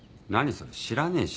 それ知らねえし。